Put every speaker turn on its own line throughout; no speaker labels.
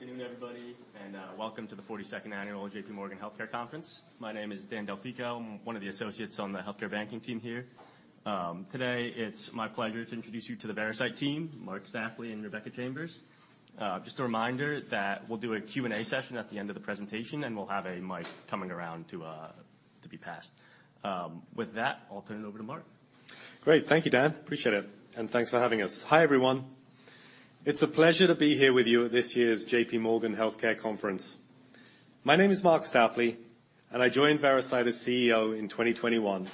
Good afternoon, everybody, and welcome to the 42nd Annual J.P. Morgan Healthcare Conference. My name is Dan Delfico. I'm one of the associates on the healthcare banking team here. Today, it's my pleasure to introduce you to the Veracyte team, Marc Stapley and Rebecca Chambers. Just a reminder that we'll do a Q&A session at the end of the presentation, and we'll have a mic coming around to be passed. With that, I'll turn it over to Marc.
Great. Thank you, Dan. Appreciate it, and thanks for having us. Hi, everyone. It's a pleasure to be here with you at this year's J.P. Morgan Healthcare Conference. My name is Marc Stapley, and I joined Veracyte as CEO in 2021.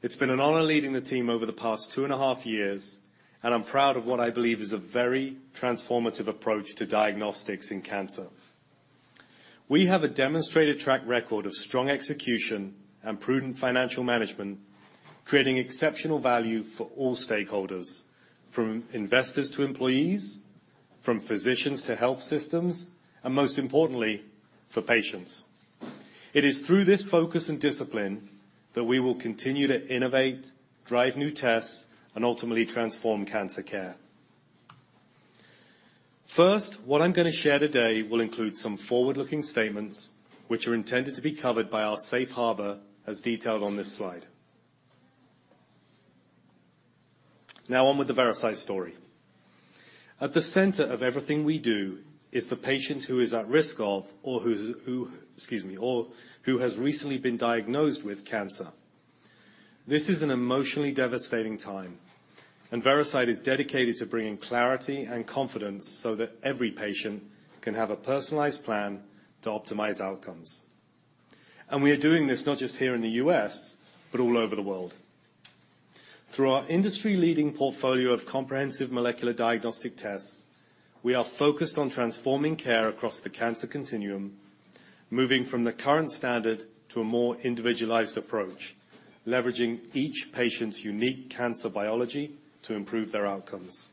It's been an honor leading the team over the past two and a half years, and I'm proud of what I believe is a very transformative approach to diagnostics in cancer. We have a demonstrated track record of strong execution and prudent financial management, creating exceptional value for all stakeholders, from investors to employees, from physicians to health systems, and most importantly, for patients. It is through this focus and discipline, that we will continue to innovate, drive new tests, and ultimately transform cancer care. First, what I'm going to share today will include some forward-looking statements, which are intended to be covered by our safe harbor, as detailed on this slide. Now, on with the Veracyte story. At the center of everything we do is the patient who is at risk of or who has recently been diagnosed with cancer. This is an emotionally devastating time, and Veracyte is dedicated to bringing clarity and confidence so that every patient can have a personalized plan to optimize outcomes. We are doing this not just here in the U.S., but all over the world. Through our industry-leading portfolio of comprehensive molecular diagnostic tests, we are focused on transforming care across the cancer continuum, moving from the current standard to a more individualized approach, leveraging each patient's unique cancer biology to improve their outcomes.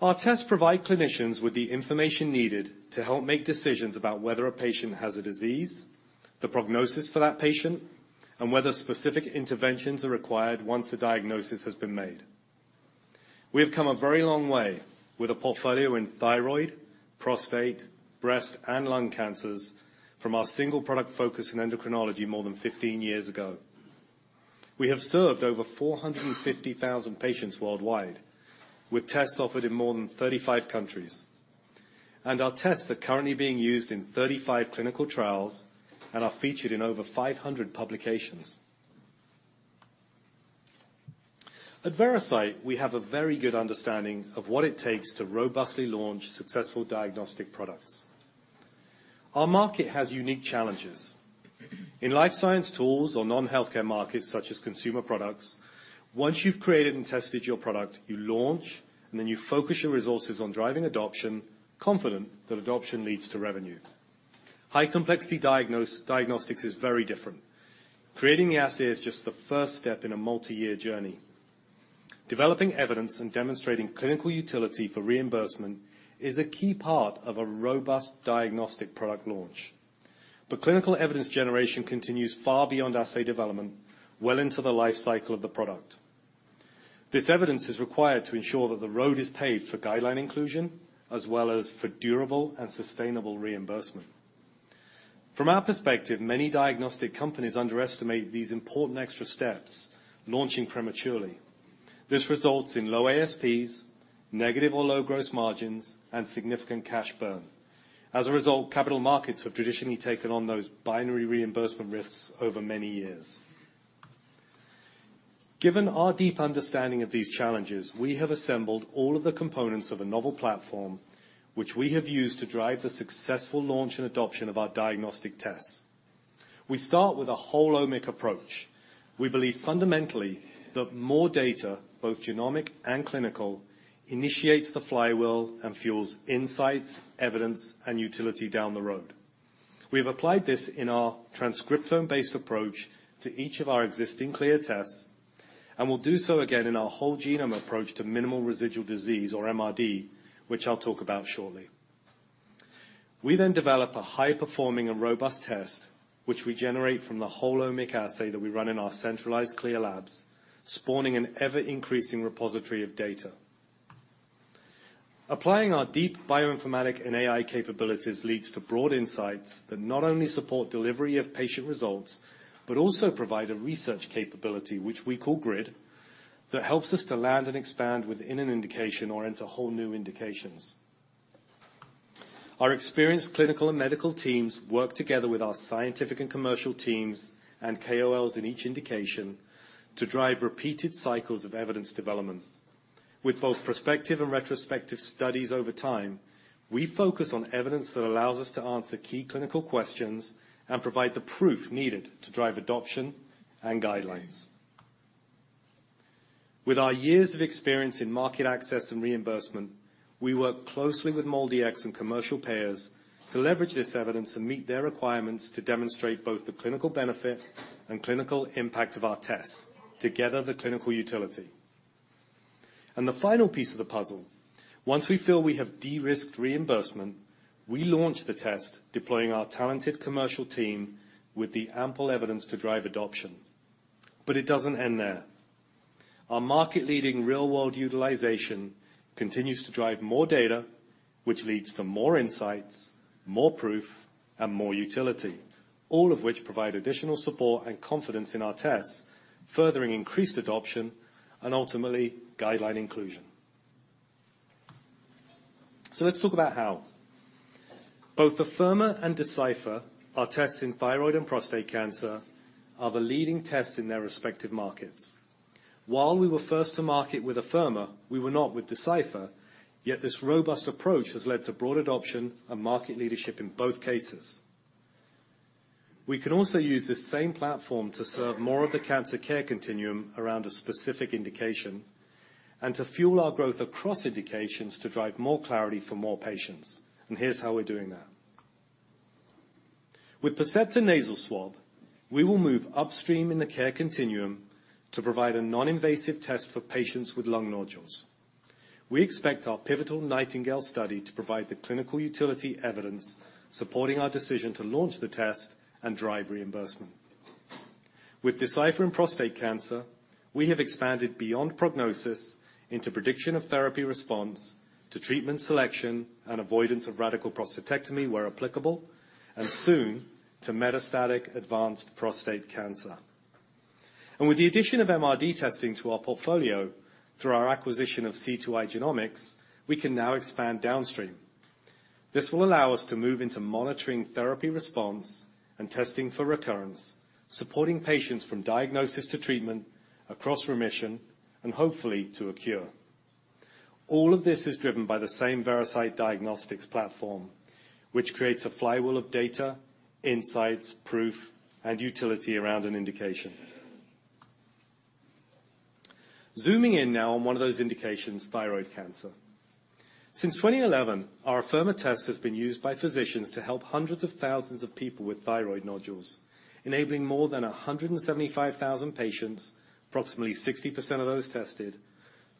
Our tests provide clinicians with the information needed to help make decisions about whether a patient has a disease, the prognosis for that patient, and whether specific interventions are required once a diagnosis has been made. We have come a very long way with a portfolio in thyroid, prostate, breast, and lung cancers from our single product focus in endocrinology more than 15 years ago. We have served over 450,000 patients worldwide, with tests offered in more than 35 countries, and our tests are currently being used in 35 clinical trials and are featured in over 500 publications. At Veracyte, we have a very good understanding of what it takes to robustly launch successful diagnostic products. Our market has unique challenges. In life science tools or non-healthcare markets, such as consumer products, once you've created and tested your product, you launch, and then you focus your resources on driving adoption, confident that adoption leads to revenue. High-complexity diagnostics is very different. Creating the assay is just the first step in a multi-year journey. Developing evidence and demonstrating clinical utility for reimbursement is a key part of a robust diagnostic product launch. But clinical evidence generation continues far beyond assay development, well into the life cycle of the product. This evidence is required to ensure that the road is paved for guideline inclusion, as well as for durable and sustainable reimbursement. From our perspective, many diagnostic companies underestimate these important extra steps, launching prematurely. This results in low ASPs, negative or low gross margins, and significant cash burn. As a result, capital markets have traditionally taken on those binary reimbursement risks over many years. Given our deep understanding of these challenges, we have assembled all of the components of a novel platform, which we have used to drive the successful launch and adoption of our diagnostic tests. We start with a whole omic approach. We believe fundamentally that more data, both genomic and clinical, initiates the flywheel and fuels insights, evidence, and utility down the road. We have applied this in our transcriptome-based approach to each of our existing CLIA tests, and we'll do so again in our whole genome approach to minimal residual disease, or MRD, which I'll talk about shortly. We then develop a high-performing and robust test, which we generate from the whole omic assay that we run in our centralized CLIA labs, spawning an ever-increasing repository of data. Applying our deep bioinformatics and AI capabilities leads to broad insights that not only support delivery of patient results, but also provide a research capability, which we call Grid, that helps us to land and expand within an indication or into whole new indications. Our experienced clinical and medical teams work together with our scientific and commercial teams and KOLs in each indication to drive repeated cycles of evidence development. With both prospective and retrospective studies over time, we focus on evidence that allows us to answer key clinical questions and provide the proof needed to drive adoption and guidelines. With our years of experience in market access and reimbursement, we work closely with MolDX and commercial payers to leverage this evidence and meet their requirements to demonstrate both the clinical benefit and clinical impact of our tests, together, the clinical utility. The final piece of the puzzle, once we feel we have de-risked reimbursement, we launch the test, deploying our talented commercial team with the ample evidence to drive adoption.... but it doesn't end there. Our market-leading real-world utilization continues to drive more data, which leads to more insights, more proof, and more utility, all of which provide additional support and confidence in our tests, furthering increased adoption and ultimately guideline inclusion. Let's talk about how. Both Afirma and Decipher, our tests in thyroid and prostate cancer, are the leading tests in their respective markets. While we were first to market with Afirma, we were not with Decipher, yet this robust approach has led to broad adoption and market leadership in both cases. We can also use this same platform to serve more of the cancer care continuum around a specific indication, and to fuel our growth across indications to drive more clarity for more patients. Here's how we're doing that. With Percepta Nasal Swab, we will move upstream in the care continuum to provide a non-invasive test for patients with lung nodules. We expect our pivotal Nightingale study to provide the clinical utility evidence supporting our decision to launch the test and drive reimbursement. With Decipher in prostate cancer, we have expanded beyond prognosis into prediction of therapy response, to treatment selection, and avoidance of radical prostatectomy, where applicable, and soon to metastatic advanced prostate cancer. With the addition of MRD testing to our portfolio through our acquisition of C2i Genomics, we can now expand downstream. This will allow us to move into monitoring therapy response and testing for recurrence, supporting patients from diagnosis to treatment, across remission, and hopefully to a cure. All of this is driven by the same Veracyte diagnostics platform, which creates a flywheel of data, insights, proof, and utility around an indication. Zooming in now on one of those indications, thyroid cancer. Since 2011, our Afirma test has been used by physicians to help hundreds of thousands of people with thyroid nodules, enabling more than 175,000 patients, approximately 60% of those tested,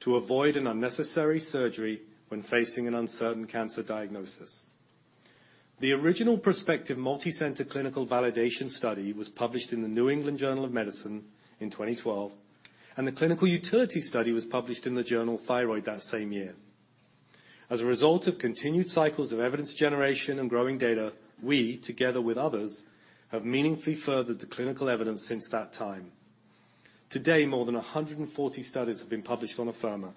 to avoid an unnecessary surgery when facing an uncertain cancer diagnosis. The original prospective multi-center clinical validation study was published in the New England Journal of Medicine in 2012, and the clinical utility study was published in the journal Thyroid that same year. As a result of continued cycles of evidence generation and growing data, we, together with others, have meaningfully furthered the clinical evidence since that time. Today, more than 140 studies have been published on Afirma,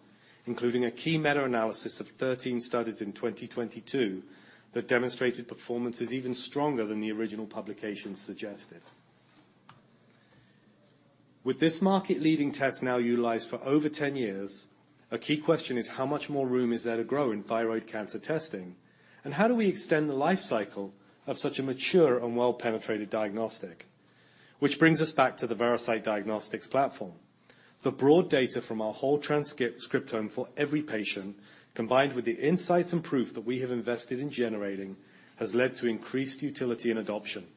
including a key meta-analysis of 13 studies in 2022, that demonstrated performance is even stronger than the original publication suggested. With this market-leading test now utilized for over 10 years, a key question is: How much more room is there to grow in thyroid cancer testing? And how do we extend the life cycle of such a mature and well-penetrated diagnostic? Which brings us back to the Veracyte Diagnostics platform. The broad data from our whole transcriptome for every patient, combined with the insights and proof that we have invested in generating, has led to increased utility and adoption.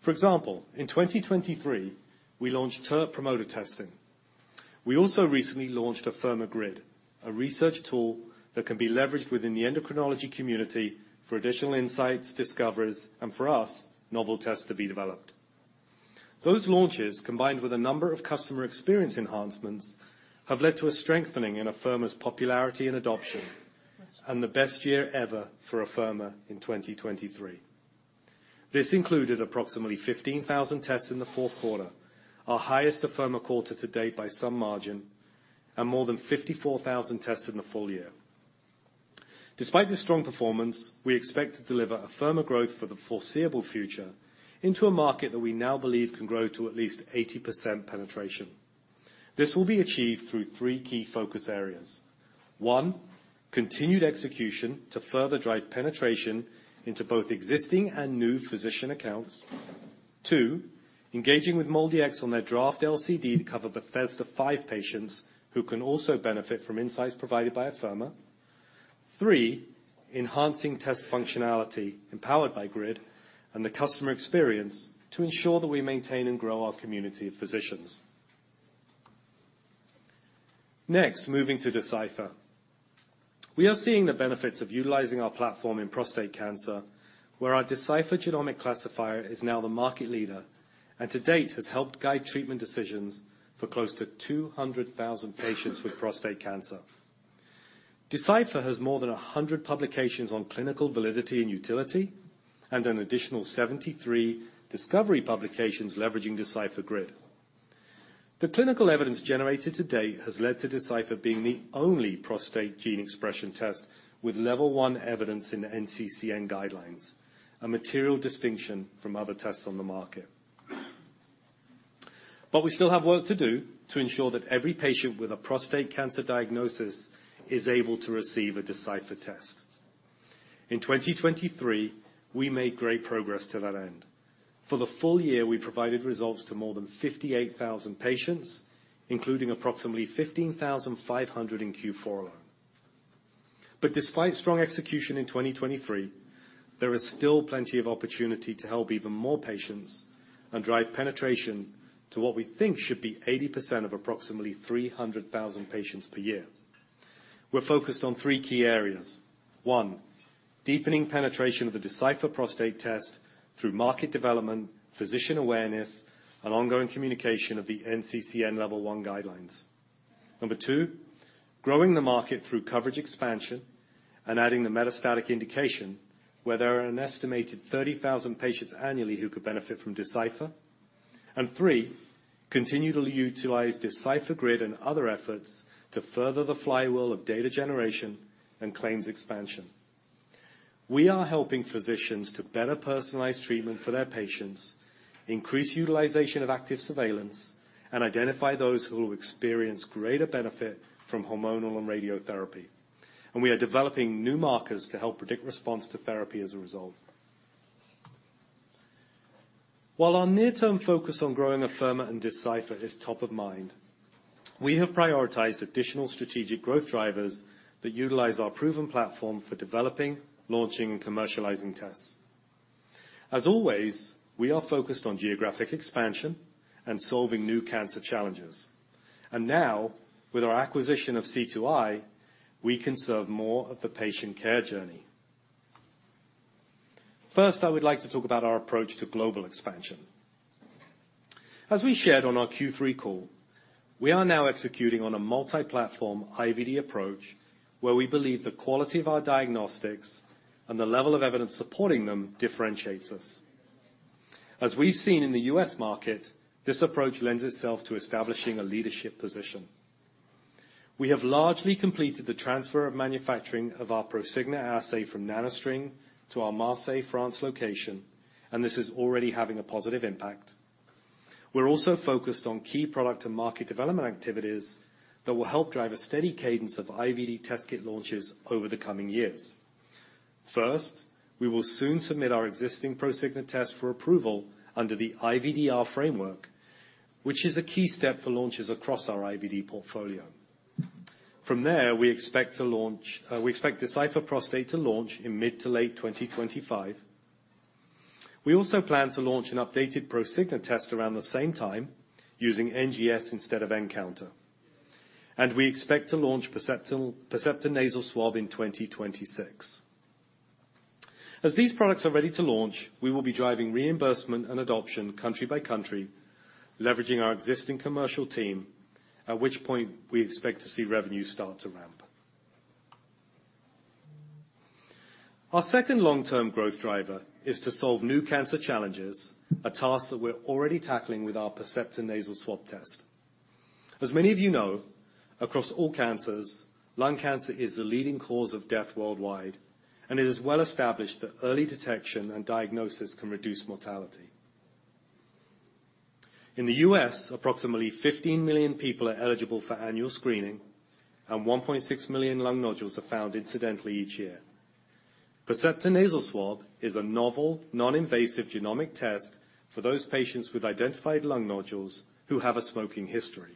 For example, in 2023, we launched TERT promoter testing. We also recently launched Afirma Grid, a research tool that can be leveraged within the endocrinology community for additional insights, discoveries, and for us, novel tests to be developed. Those launches, combined with a number of customer experience enhancements, have led to a strengthening in Afirma's popularity and adoption, and the best year ever for Afirma in 2023. This included approximately 15,000 tests in the fourth quarter, our highest Afirma quarter to date by some margin, and more than 54,000 tests in the full year. Despite this strong performance, we expect to deliver Afirma growth for the foreseeable future into a market that we now believe can grow to at least 80% penetration. This will be achieved through three key focus areas. one, continued execution to further drive penetration into both existing and new physician accounts. two, engaging with MolDX on their draft LCD to cover the first of five patients who can also benefit from insights provided by Afirma. Three, enhancing test functionality empowered by Grid and the customer experience to ensure that we maintain and grow our community of physicians. Next, moving to Decipher. We are seeing the benefits of utilizing our platform in prostate cancer, where our Decipher genomic classifier is now the market leader, and to date, has helped guide treatment decisions for close to 200,000 patients with prostate cancer. Decipher has more than 100 publications on clinical validity and utility, and an additional 73 discovery publications leveraging Decipher Grid. The clinical evidence generated to date has led to Decipher being the only prostate gene expression test with level one evidence in the NCCN guidelines, a material distinction from other tests on the market. But we still have work to do to ensure that every patient with a prostate cancer diagnosis is able to receive a Decipher test. In 2023, we made great progress to that end. For the full year, we provided results to more than 58,000 patients, including approximately 15,500 in Q4 alone. But despite strong execution in 2023, there is still plenty of opportunity to help even more patients and drive penetration to what we think should be 80% of approximately 300,000 patients per year. We're focused on three key areas. One, deepening penetration of the Decipher Prostate Test through market development, physician awareness, and ongoing communication of the NCCN Level One guidelines. Number two, growing the market through coverage expansion and adding the metastatic indication, where there are an estimated 30,000 patients annually who could benefit from Decipher. And three, continue to utilize Decipher Grid and other efforts to further the flywheel of data generation and claims expansion. We are helping physicians to better personalize treatment for their patients, increase utilization of active surveillance, and identify those who will experience greater benefit from hormonal and radiotherapy. We are developing new markers to help predict response to therapy as a result. While our near-term focus on growing Afirma and Decipher is top of mind, we have prioritized additional strategic growth drivers that utilize our proven platform for developing, launching, and commercializing tests. As always, we are focused on geographic expansion and solving new cancer challenges. Now, with our acquisition of C2i, we can serve more of the patient care journey. First, I would like to talk about our approach to global expansion. As we shared on our Q3 call, we are now executing on a multi-platform IVD approach, where we believe the quality of our diagnostics and the level of evidence supporting them differentiates us. As we've seen in the U.S. market, this approach lends itself to establishing a leadership position. We have largely completed the transfer of manufacturing of our Prosigna assay from NanoString to our Marseille, France, location, and this is already having a positive impact. We're also focused on key product and market development activities that will help drive a steady cadence of IVD test kit launches over the coming years. First, we will soon submit our existing Prosigna test for approval under the IVDR framework, which is a key step for launches across our IVD portfolio. From there, we expect Decipher Prostate to launch in mid- to late 2025. We also plan to launch an updated Prosigna test around the same time using NGS instead of nCounter. And we expect to launch Percepta Nasal Swab in 2026. As these products are ready to launch, we will be driving reimbursement and adoption country by country, leveraging our existing commercial team, at which point we expect to see revenue start to ramp. Our second long-term growth driver is to solve new cancer challenges, a task that we're already tackling with our Percepta Nasal Swab test. As many of you know, across all cancers, lung cancer is the leading cause of death worldwide, and it is well established that early detection and diagnosis can reduce mortality. In the U.S., approximately 15 million people are eligible for annual screening, and 1.6 million lung nodules are found incidentally each year. Percepta Nasal Swab is a novel, non-invasive genomic test for those patients with identified lung nodules who have a smoking history.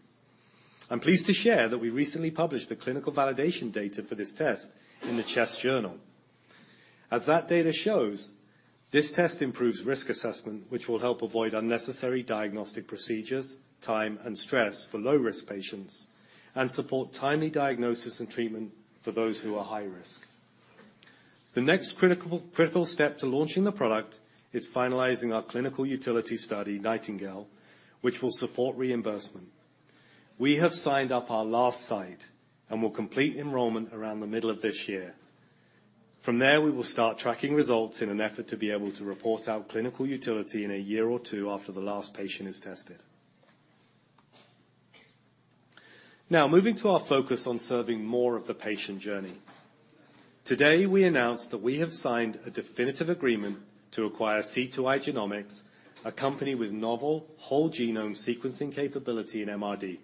I'm pleased to share that we recently published the clinical validation data for this test in the CHEST Journal. As that data shows, this test improves risk assessment, which will help avoid unnecessary diagnostic procedures, time, and stress for low-risk patients, and support timely diagnosis and treatment for those who are high risk. The next critical, critical step to launching the product is finalizing our clinical utility study, NIGHTINGALE, which will support reimbursement. We have signed up our last site and will complete enrollment around the middle of this year. From there, we will start tracking results in an effort to be able to report out clinical utility in a year or two after the last patient is tested. Now, moving to our focus on serving more of the patient journey. Today, we announced that we have signed a definitive agreement to acquire C2i Genomics, a company with novel whole genome sequencing capability in MRD.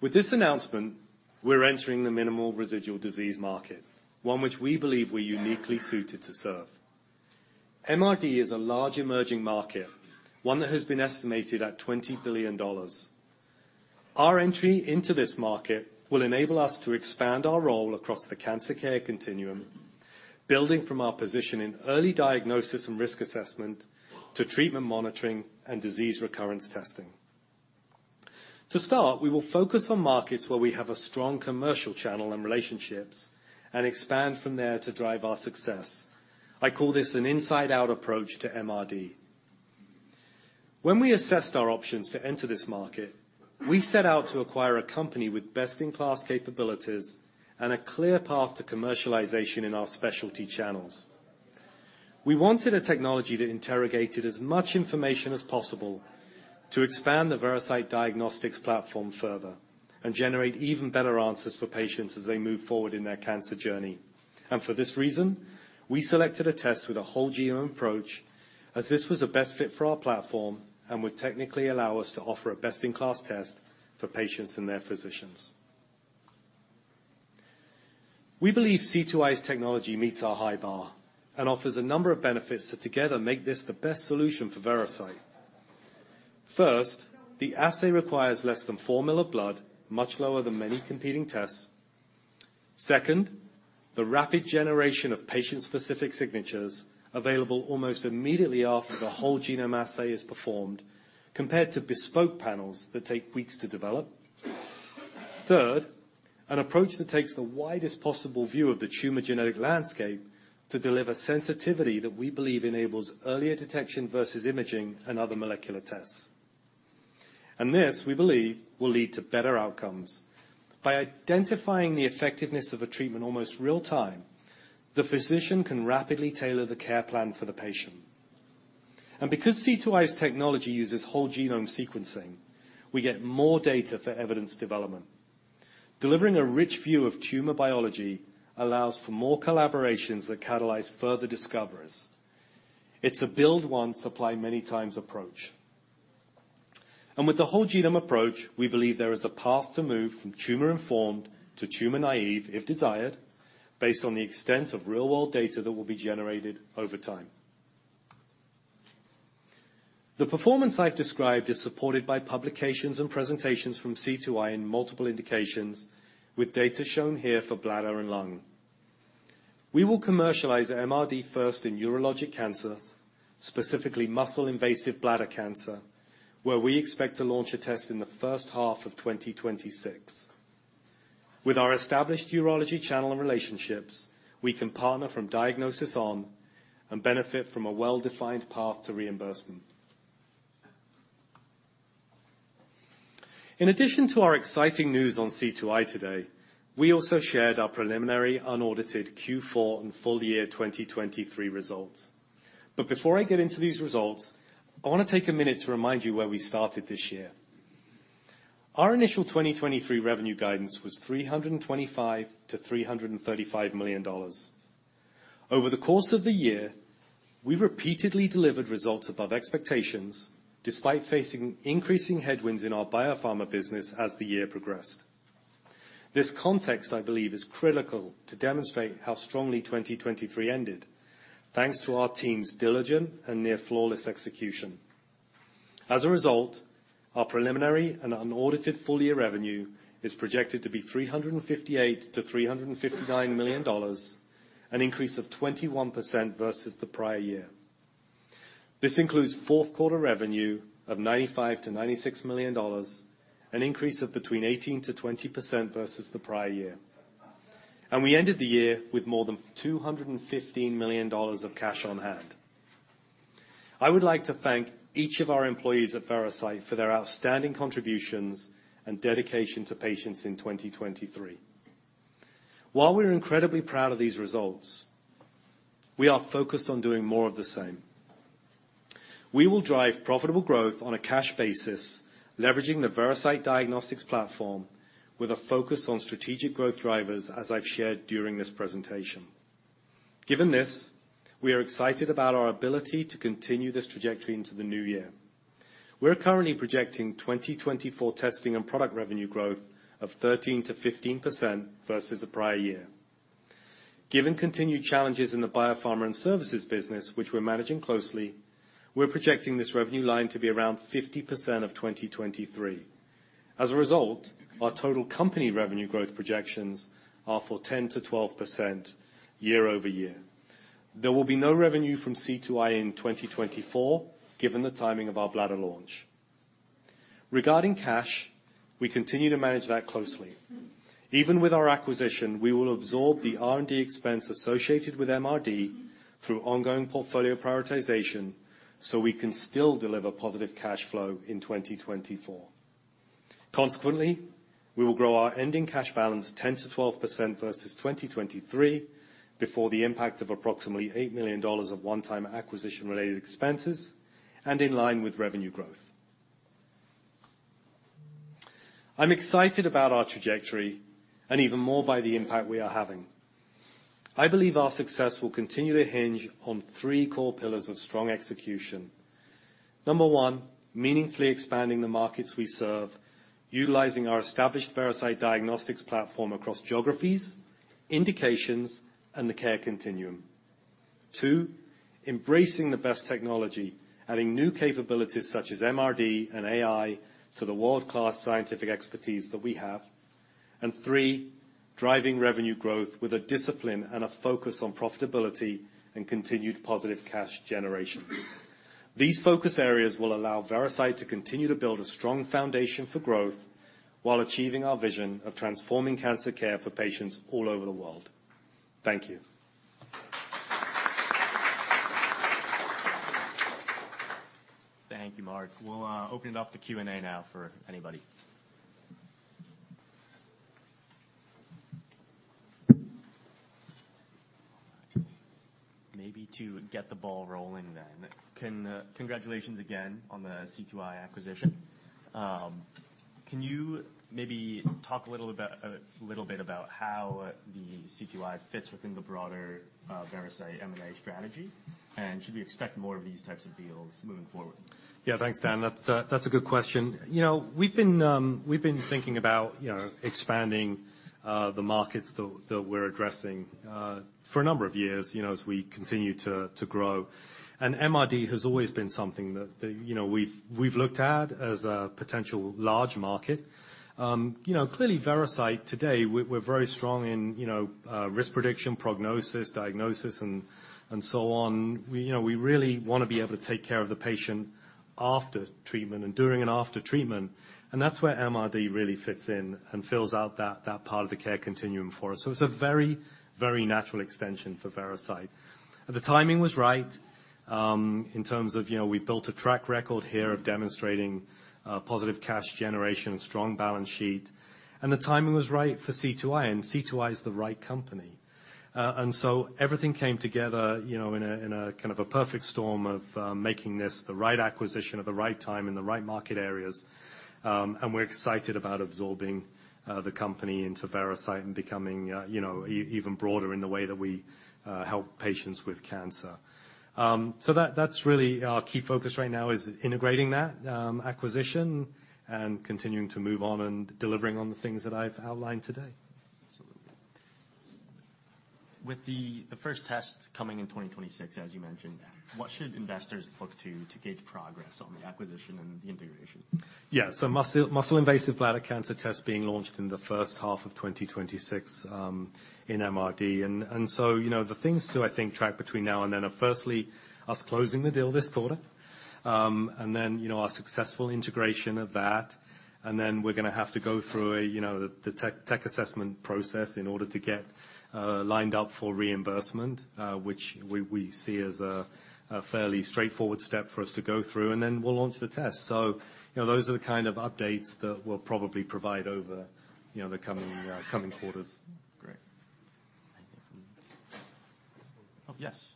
With this announcement, we're entering the minimal residual disease market, one which we believe we're uniquely suited to serve. MRD is a large emerging market, one that has been estimated at $20 billion. Our entry into this market will enable us to expand our role across the cancer care continuum, building from our position in early diagnosis and risk assessment to treatment monitoring and disease recurrence testing. To start, we will focus on markets where we have a strong commercial channel and relationships, and expand from there to drive our success. I call this an inside out approach to MRD. When we assessed our options to enter this market, we set out to acquire a company with best-in-class capabilities and a clear path to commercialization in our specialty channels. We wanted a technology that interrogated as much information as possible to expand the Veracyte diagnostics platform further and generate even better answers for patients as they move forward in their cancer journey. And for this reason, we selected a test with a whole genome approach as this was the best fit for our platform and would technically allow us to offer a best-in-class test for patients and their physicians. We believe C2i's technology meets our high bar and offers a number of benefits that together make this the best solution for Veracyte. First, the assay requires less than 4 ml of blood, much lower than many competing tests. Second...... the rapid generation of patient-specific signatures available almost immediately after the whole genome assay is performed, compared to bespoke panels that take weeks to develop. Third, an approach that takes the widest possible view of the tumor genetic landscape to deliver sensitivity that we believe enables earlier detection versus imaging and other molecular tests. And this, we believe, will lead to better outcomes. By identifying the effectiveness of a treatment almost real time, the physician can rapidly tailor the care plan for the patient. And because C2i's technology uses whole genome sequencing, we get more data for evidence development. Delivering a rich view of tumor biology allows for more collaborations that catalyze further discoveries. It's a build one, supply many times approach. With the whole genome approach, we believe there is a path to move from tumor-informed to tumor-naive, if desired, based on the extent of real-world data that will be generated over time. The performance I've described is supported by publications and presentations from C2i in multiple indications, with data shown here for bladder and lung. We will commercialize MRD first in urologic cancers, specifically muscle-invasive bladder cancer, where we expect to launch a test in the first half of 2026. With our established urology channel and relationships, we can partner from diagnosis on and benefit from a well-defined path to reimbursement. In addition to our exciting news on C2i today, we also shared our preliminary unaudited Q4 and full year 2023 results. But before I get into these results, I want to take a minute to remind you where we started this year. Our initial 2023 revenue guidance was $325 million-$335 million. Over the course of the year, we repeatedly delivered results above expectations, despite facing increasing headwinds in our biopharma business as the year progressed. This context, I believe, is critical to demonstrate how strongly 2023 ended, thanks to our team's diligent and near flawless execution. As a result, our preliminary and unaudited full-year revenue is projected to be $358 million-$359 million, an increase of 21% versus the prior year. This includes fourth quarter revenue of $95 million-$96 million, an increase of between 18%-20% versus the prior year. We ended the year with more than $215 million of cash on hand. I would like to thank each of our employees at Veracyte for their outstanding contributions and dedication to patients in 2023. While we're incredibly proud of these results, we are focused on doing more of the same. We will drive profitable growth on a cash basis, leveraging the Veracyte diagnostics platform with a focus on strategic growth drivers, as I've shared during this presentation. Given this, we are excited about our ability to continue this trajectory into the new year. We're currently projecting 2024 testing and product revenue growth of 13%-15% versus the prior year. Given continued challenges in the biopharma and services business, which we're managing closely, we're projecting this revenue line to be around 50% of 2023. As a result, our total company revenue growth projections are for 10%-12% year over year. There will be no revenue from C2i in 2024, given the timing of our bladder launch. Regarding cash, we continue to manage that closely. Even with our acquisition, we will absorb the R&D expense associated with MRD through ongoing portfolio prioritization, so we can still deliver positive cash flow in 2024. Consequently, we will grow our ending cash balance 10%-12% versus 2023, before the impact of approximately $8 million of one-time acquisition-related expenses and in line with revenue growth. I'm excited about our trajectory and even more by the impact we are having. I believe our success will continue to hinge on three core pillars of strong execution. Number one, meaningfully expanding the markets we serve, utilizing our established Veracyte diagnostics platform across geographies, indications, and the care continuum. two, embracing the best technology, adding new capabilities such as MRD and AI to the world-class scientific expertise that we have. And three, driving revenue growth with a discipline and a focus on profitability and continued positive cash generation. These focus areas will allow Veracyte to continue to build a strong foundation for growth while achieving our vision of transforming cancer care for patients all over the world. Thank you.
Thank you, Marc. We'll open it up to Q&A now for anybody. Maybe to get the ball rolling, then. Congratulations again on the C2i acquisition. Can you maybe talk a little about little bit about how the C2i fits within the broader Veracyte M&A strategy? And should we expect more of these types of deals moving forward?
Yeah. Thanks, Dan. That's a good question. You know, we've been thinking about, you know, expanding the markets that we're addressing for a number of years, you know, as we continue to grow. And MRD has always been something that you know we've looked at as a potential large market. You know, clearly, Veracyte today, we're very strong in, you know, risk prediction, prognosis, diagnosis, and so on. You know, we really wanna be able to take care of the patient after treatment and during and after treatment, and that's where MRD really fits in and fills out that part of the care continuum for us. So it's a very, very natural extension for Veracyte. The timing was right, in terms of, you know, we've built a track record here of demonstrating, positive cash generation and strong balance sheet, and the timing was right for C2i, and C2i is the right company. And so everything came together, you know, in a, in a kind of a perfect storm of, making this the right acquisition at the right time in the right market areas. And we're excited about absorbing, the company into Veracyte and becoming, you know, even broader in the way that we, help patients with cancer. So that's really our key focus right now, is integrating that, acquisition and continuing to move on and delivering on the things that I've outlined today.
Absolutely. With the first test coming in 2026, as you mentioned, what should investors look to gauge progress on the acquisition and the integration?
Yeah, so muscle-invasive bladder cancer test being launched in the first half of 2026, in MRD. And so, you know, the things to, I think, track between now and then are, firstly, us closing the deal this quarter. And then, you know, our successful integration of that, and then we're gonna have to go through a, you know, the tech assessment process in order to get lined up for reimbursement, which we see as a fairly straightforward step for us to go through, and then we'll launch the test. So, you know, those are the kind of updates that we'll probably provide over, you know, the coming quarters.
Great. Thank you.
Oh, yes.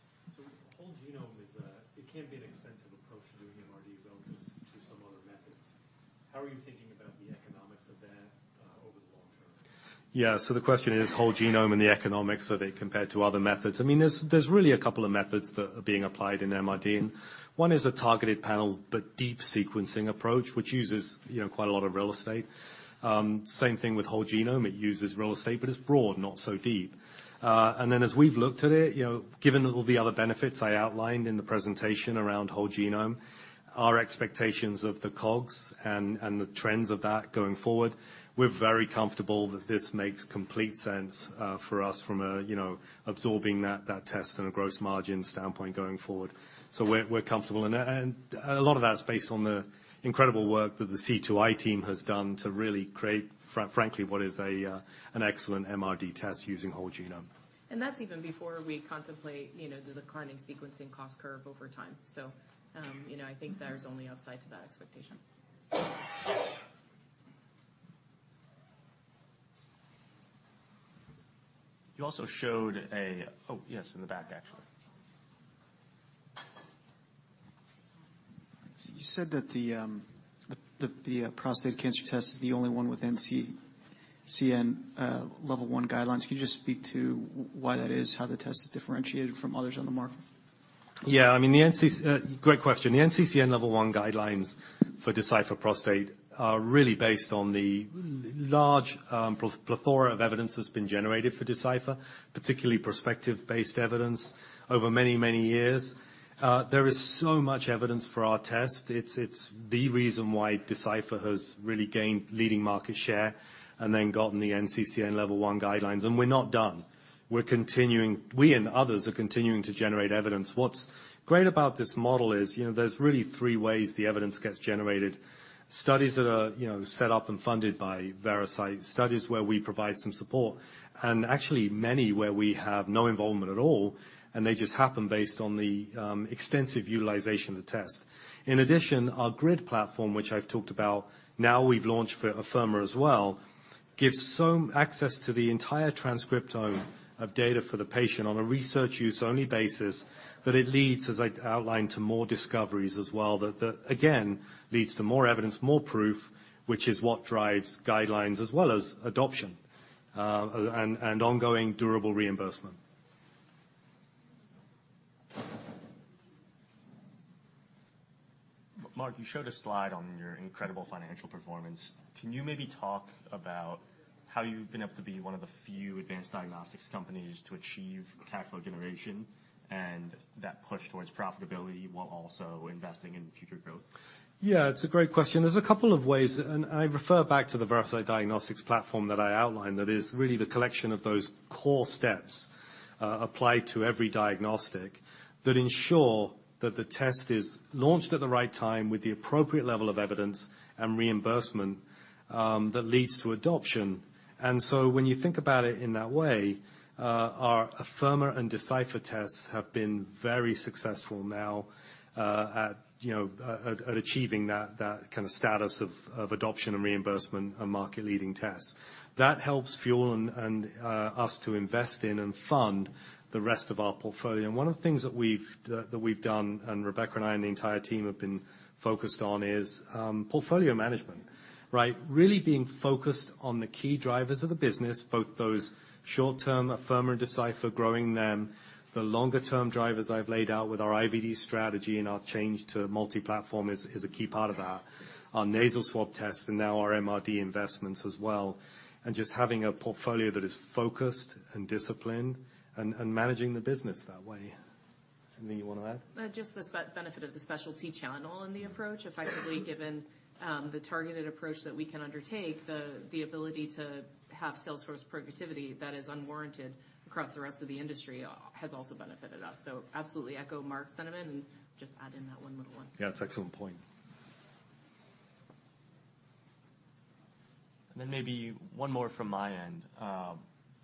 So whole genome is, it can be an expensive approach to doing MRD relative to some other methods. How are you thinking about the economics of that, over the long term?
Yeah. So the question is whole genome and the economics, are they compared to other methods? I mean, there's really a couple of methods that are being applied in MRD. One is a targeted panel, but deep sequencing approach, which uses, you know, quite a lot of real estate. Same thing with whole genome. It uses real estate, but it's broad, not so deep. And then as we've looked at it, you know, given all the other benefits I outlined in the presentation around whole genome, our expectations of the COGS and the trends of that going forward, we're very comfortable that this makes complete sense, for us from a, you know, absorbing that test and a gross margin standpoint going forward. So we're comfortable. A lot of that's based on the incredible work that the C2i team has done to really create, frankly, what is an excellent MRD test using whole genome.
That's even before we contemplate, you know, the declining sequencing cost curve over time. You know, I think there's only upside to that expectation.
You also showed... Oh, yes, in the back, actually. You said that the prostate cancer test is the only one with NCCN level one guidelines. Can you just speak to why that is, how the test is differentiated from others on the market?
Yeah, I mean, great question. The NCCN level one guidelines for Decipher Prostate are really based on the large plethora of evidence that's been generated for Decipher, particularly prospective-based evidence over many, many years. There is so much evidence for our test. It's the reason why Decipher has really gained leading market share and then gotten the NCCN level one guidelines, and we're not done. We're continuing, we and others are continuing to generate evidence. What's great about this model is, you know, there's really three ways the evidence gets generated. Studies that are, you know, set up and funded by Veracyte, studies where we provide some support, and actually many where we have no involvement at all, and they just happen based on the extensive utilization of the test. In addition, our Grid platform, which I've talked about, now we've launched for Afirma as well, gives some access to the entire transcriptome of data for the patient on a research-use-only basis, that it leads, as I outlined, to more discoveries as well, that, that again, leads to more evidence, more proof, which is what drives guidelines as well as adoption, and ongoing durable reimbursement.
Marc, you showed a slide on your incredible financial performance. Can you maybe talk about how you've been able to be one of the few advanced diagnostics companies to achieve cash flow generation and that push towards profitability while also investing in future growth?
Yeah, it's a great question. There's a couple of ways, and I refer back to the Veracyte diagnostics platform that I outlined, that is really the collection of those core steps, applied to every diagnostic, that ensure that the test is launched at the right time with the appropriate level of evidence and reimbursement, that leads to adoption. And so when you think about it in that way, our Afirma and Decipher tests have been very successful now, you know, achieving that kind of status of adoption and reimbursement and market-leading tests. That helps fuel us to invest in and fund the rest of our portfolio. And one of the things that we've done, and Rebecca and I and the entire team have been focused on, is portfolio management, right? Really being focused on the key drivers of the business, both those short term, Afirma and Decipher, growing them. The longer term drivers I've laid out with our IVD strategy and our change to multi-platform is a key part of that, our nasal swab test, and now our MRD investments as well, and just having a portfolio that is focused and disciplined and managing the business that way. Anything you want to add?
Just the benefit of the specialty channel in the approach. Effectively, given the targeted approach that we can undertake, the ability to have sales force productivity that is unwarranted across the rest of the industry has also benefited us. So absolutely echo Marc's sentiment, and just add in that one little one.
Yeah, it's excellent point.
Maybe one more from my end.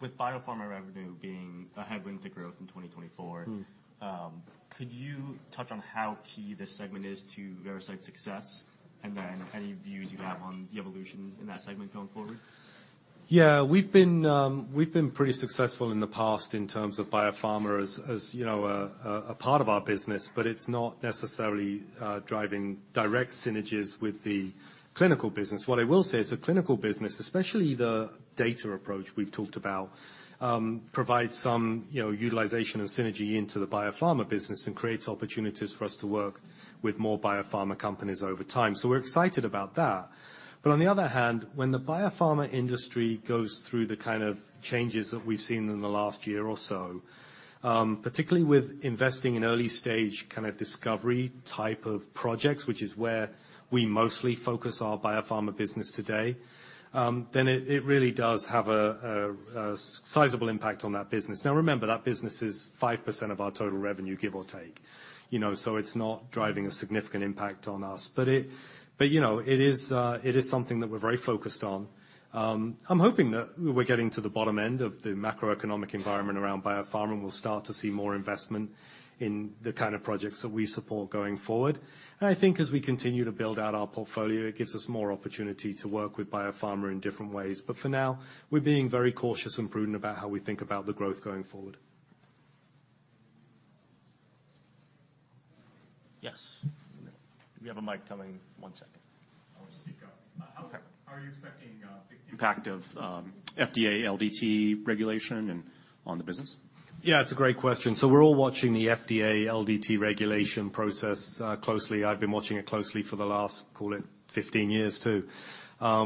With biopharma revenue being a headwind to growth in 2024-
Mm.
Could you touch on how key this segment is to Veracyte's success? And then any views you have on the evolution in that segment going forward?
Yeah. We've been pretty successful in the past in terms of biopharma as, you know, a part of our business, but it's not necessarily driving direct synergies with the clinical business. What I will say is the clinical business, especially the data approach we've talked about, provides some, you know, utilization and synergy into the biopharma business and creates opportunities for us to work with more biopharma companies over time. So we're excited about that. But on the other hand, when the biopharma industry goes through the kind of changes that we've seen in the last year or so, particularly with investing in early stage, kind of discovery type of projects, which is where we mostly focus our biopharma business today, then it really does have a sizable impact on that business. Now remember, that business is 5% of our total revenue, give or take. You know, so it's not driving a significant impact on us. But, you know, it is something that we're very focused on. I'm hoping that we're getting to the bottom end of the macroeconomic environment around biopharma, and we'll start to see more investment in the kind of projects that we support going forward. And I think as we continue to build out our portfolio, it gives us more opportunity to work with biopharma in different ways. But for now, we're being very cautious and prudent about how we think about the growth going forward.
Yes. We have a mic coming. One second.
I'll speak up. Okay. How are you expecting the impact of FDA LDT regulation on the business?
Yeah, it's a great question. So we're all watching the FDA LDT regulation process closely. I've been watching it closely for the last, call it 15 years, too.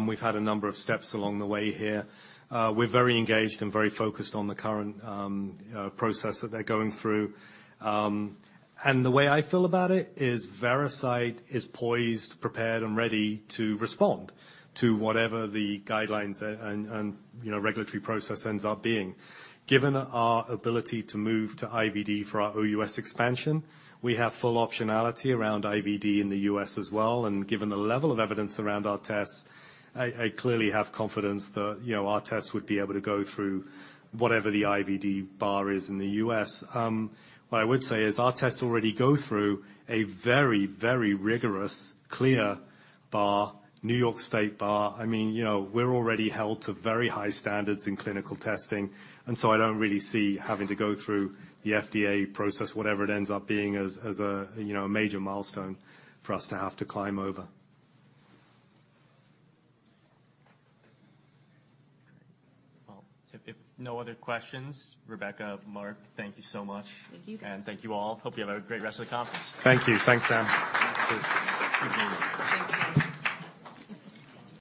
We've had a number of steps along the way here. We're very engaged and very focused on the current process that they're going through. And the way I feel about it is, Veracyte is poised, prepared, and ready to respond to whatever the guidelines and you know regulatory process ends up being. Given our ability to move to IVD for our OUS expansion, we have full optionality around IVD in the U.S. as well, and given the level of evidence around our tests, I clearly have confidence that you know our tests would be able to go through whatever the IVD bar is in the U.S. What I would say is our tests already go through a very, very rigorous, CLIA bar, New York State bar. I mean, you know, we're already held to very high standards in clinical testing, and so I don't really see having to go through the FDA process, whatever it ends up being, as a, you know, a major milestone for us to have to climb over.
Well, if no other questions, Rebecca, Marc, thank you so much.
Thank you.
Thank you all. Hope you have a great rest of the conference.
Thank you. Thanks, Dan.
Thanks.